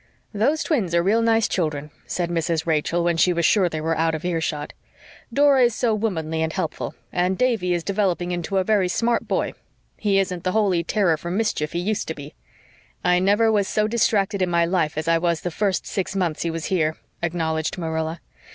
"Those twins are real nice children," said Mrs. Rachel, when she was sure they were out of earshot. "Dora is so womanly and helpful, and Davy is developing into a very smart boy. He isn't the holy terror for mischief he used to be." "I never was so distracted in my life as I was the first six months he was here," acknowledged Marilla.